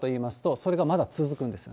それがまだ続くんですよね。